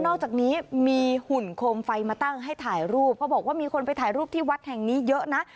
อกจากนี้มีหุ่นโคมไฟมาตั้งให้ถ่ายรูปเพราะบอกว่ามีคนไปถ่ายรูปที่วัดแห่งนี้เยอะนะ